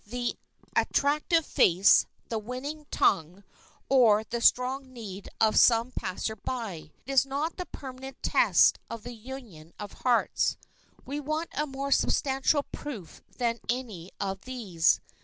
The attractive face, the winning tongue, or the strong need of some passer by, is not the permanent test of the union of hearts. We want a more substantial proof than any of these.